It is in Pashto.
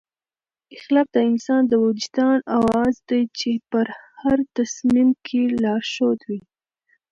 اخلاق د انسان د وجدان اواز دی چې په هر تصمیم کې لارښود وي.